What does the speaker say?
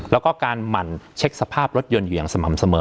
แล้วก็การหมั่นเช็คสภาพรถยนต์อยู่อย่างสม่ำเสมอ